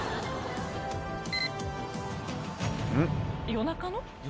夜中の？